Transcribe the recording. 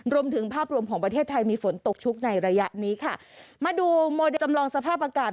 รวมถึงภาพรวมของประเทศไทยมีฝนตกชุกในระยะนี้ค่ะมาดูโมเดลจำลองสภาพอากาศ